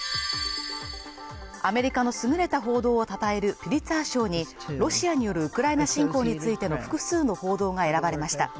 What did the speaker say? アメリカの優れた報道をたたえるピュリッツァー賞にロシアによるウクライナ侵攻についての複数の報道が選ばれました。